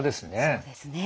そうですね。